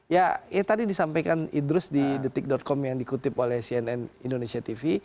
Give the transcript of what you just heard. ya tadi disampaikan idrus di detik com yang dikutip oleh cnn indonesia tv